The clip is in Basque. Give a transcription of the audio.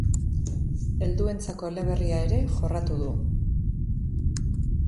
Helduentzako eleberria ere jorratu du.